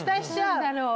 何だろう。